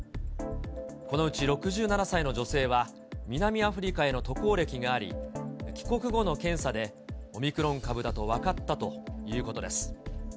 このうち６７歳の女性は、南アフリカへの渡航歴があり、帰国後の検査でオミクロン株だと分かったということです。